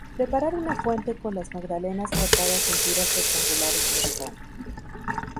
Preparar una fuente con las magdalenas cortadas en tiras rectangulares en el fondo.